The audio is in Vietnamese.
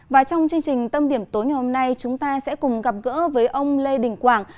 và trong chương trình tâm điểm tối ngày hôm nay chúng ta sẽ cùng gặp gỡ với ông lê đình quảng